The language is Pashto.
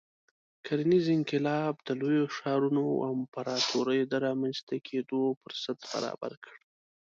کرنیز انقلاب د لویو ښارونو او امپراتوریو د رامنځته کېدو فرصت برابر کړ.